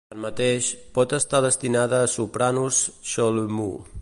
Tanmateix, pot estar destinada a sopranos chalumeau.